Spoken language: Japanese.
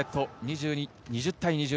２０対２０。